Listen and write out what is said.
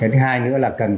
cái thứ hai nữa là cần cả